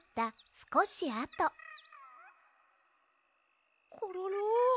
すこしあとコロロ。